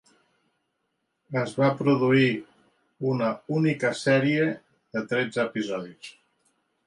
Es va produir una única sèrie de tretze episodis.